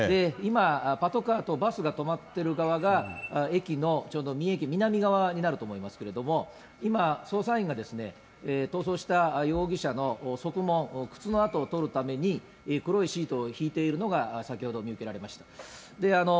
今、パトカーとバスが止まっている側が、駅のちょうど三重側、南側になると思いますが、今、捜査員が逃走した容疑者のそくもん、靴の跡を採るために、黒いシートを引いているのが先ほど見受けられました。